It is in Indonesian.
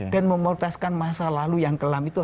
dan melepaskan masa lalu yang kelam itu